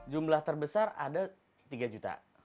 jumlah terbesar ada tiga juta